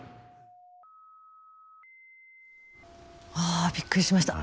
あびっくりしました。